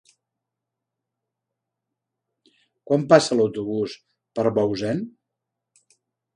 Quan passa l'autobús per Bausen?